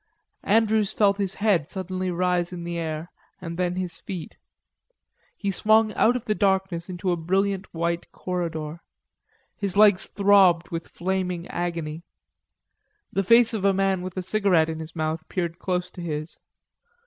Andrews felt his head suddenly rise in the air and then his feet. He swung out of the darkness into a brilliant white corridor. His legs throbbed with flaming agony. The face of a man with a cigarette in his mouth peered close to his.